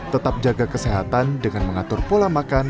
tetap jaga kesehatan dengan mengatur pola makan